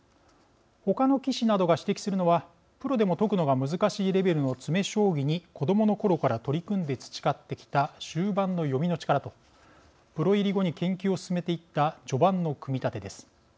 他の棋士などが指摘するのはプロでも解くのが難しいレベルの詰め将棋に子どものころから取り組んで培ってきた終盤の読みの力とプロ入り後に研究を進めていった序盤の組み立てです。